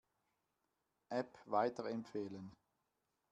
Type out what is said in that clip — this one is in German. App weiterempfehlen.